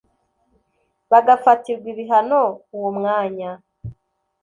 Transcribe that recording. bagafatirwa ibihano uwo mwanya